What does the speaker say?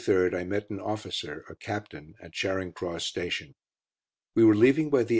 On December 23rd I met an officer, a captain, at Charing Cross Station. We were leaving by the 8.